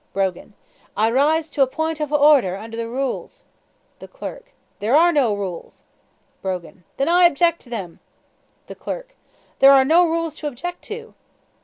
Brogan. I rise to a point of ordher under the rules! The Clerk. There are no rules. Brogan. Thin I object to them! The Clerk. There are no rules to object to.